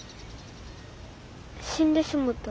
死んでしもた。